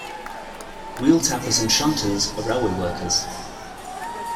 Wheeltappers and shunters are railway workers.